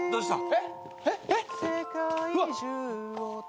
えっ？